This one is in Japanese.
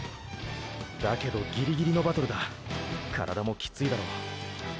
だけどギリギリのバトルだ体もキツイだろう。